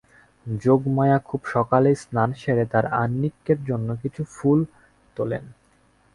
যোগমায়া খুব সকালেই স্নান সেরে তাঁর আহ্নিকের জন্যে কিছু ফুল তোলেন।